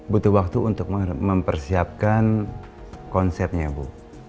butuh waktu untuk mempersiapkan konsepnya bu